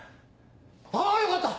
あよかった！